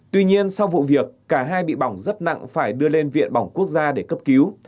tuy nhiên sau vụ việc cả hai bị bỏng rất nặng phải đưa lên viện bỏng quốc gia để cấp cứu